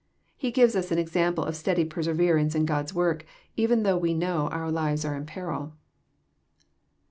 He gives ns an example of steady perseverance in God*s work, even thongh we know our lives are in peril.